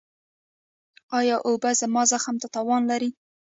ایا اوبه زما زخم ته تاوان لري؟